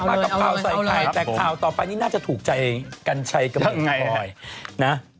กลับมากับข่าวใส่ไข่แตกข่าวต่อไปนี่น่าจะถูกใจกันใช้กับมีลูกหลาน